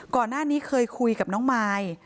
ก่อนหน้านี้เคยคุยกับน้องมาย